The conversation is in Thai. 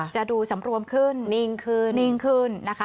จะดูสำรวมขึ้นนิ่งขึ้นนิ่งขึ้นนะคะ